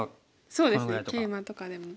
そうですねケイマとかでも。